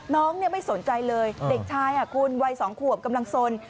น้องเนี่ยไม่สนใจเลยเด็กชายอ่ะคุณวัยสองขวบกำลังสน